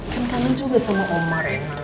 kan kanan juga sama oma rena